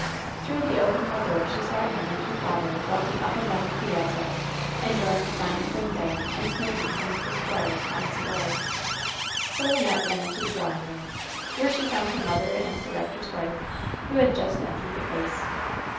Through the open hall door she saw him and her father walking up and down the piazza, enjoying the fine spring day, and smoking some of the squire's fine cigars. So Wynnette went into the drawing room, where she found her mother and the rector's wife, who had just entered the place.